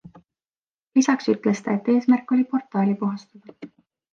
Lisaks ütles ta, et eesmärk oli portaali puhastada.